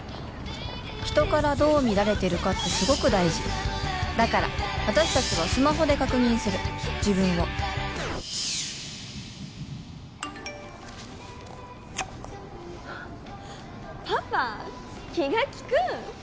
人からどう見られてるかってすごく大事だから私達はスマホで確認する自分をパパ気が利く！